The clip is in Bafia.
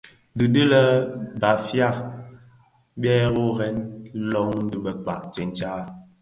Di i di lè Bafia dyo worè bi löň dhi bëkpag tsentsa.